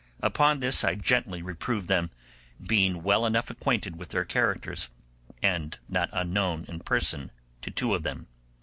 Upon this I gently reproved them, being well enough acquainted with their characters, and not unknown in person to two of them.